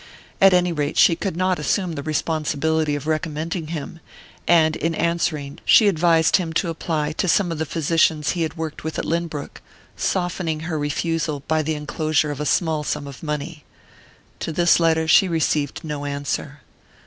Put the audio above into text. At any rate, she could not assume the responsibility of recommending him; and in answering she advised him to apply to some of the physicians he had worked with at Lynbrook, softening her refusal by the enclosure of a small sum of money. To this letter she received no answer.